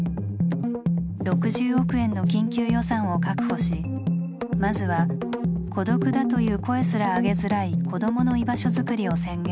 ６０億円の緊急予算を確保しまずは「孤独だ」という声すら上げづらい子どもの居場所づくりを宣言。